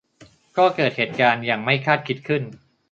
ก็เกิดเหตุการณ์อย่างไม่คาดคิดขึ้น